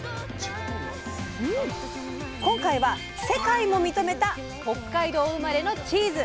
今回は世界も認めた北海道生まれのチーズ。